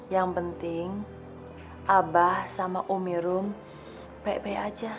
yang penting abah sama umi rum baik baik aja